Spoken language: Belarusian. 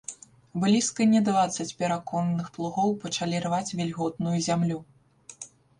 Блізка не дваццаць параконных плугоў пачалі рваць вільготную зямлю.